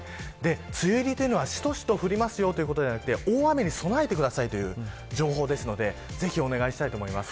梅雨入りというのはしとしと降りますということではなく大雨に備えてくださいという情報ですのでぜひお願いしたいです。